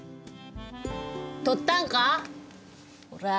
とったんか？